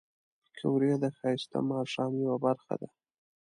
پکورې د ښایسته ماښام یو برخه ده